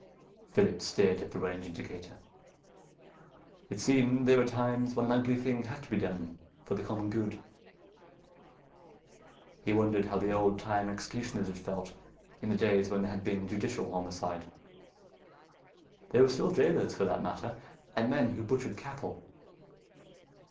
Phillips stared at the range indicator. It seemed there were times when an ugly thing had to be done for the common good. He wondered how the old time executioners had felt, in the days when there had been judicial homicide. There were still jailers, for that matter, and men who butchered cattle.